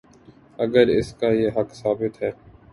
اگراس کا یہ حق ثابت ہے۔